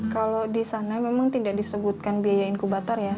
kalau di sana memang tidak disebutkan biaya inkubator ya